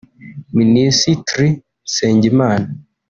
Minisitri Nsengimana